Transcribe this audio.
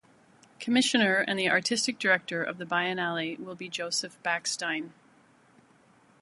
Commissioner and the artistic director of the Biennale will be Joseph Backstein.